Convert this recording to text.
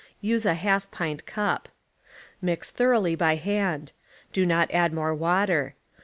Use a half pint cup. Mix thoroughly by hand. Do not add more water.